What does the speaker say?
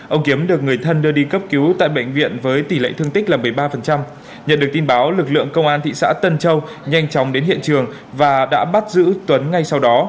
ông kiếm được người thân đưa đi cấp cứu tại bệnh viện với tỷ lệ thương tích là một mươi ba nhận được tin báo lực lượng công an thị xã tân châu nhanh chóng đến hiện trường và đã bắt giữ tuấn ngay sau đó